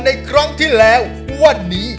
ในครั้งที่แล้ววันนี้